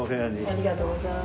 ありがとうございます。